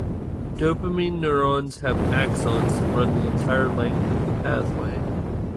Dopamine neurons have axons that run the entire length of the pathway.